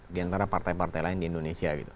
di antara partai partai lain di indonesia gitu